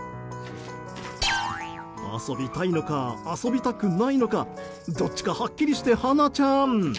遊びたいのか、遊びたくないのかどっちかはっきりして花ちゃん！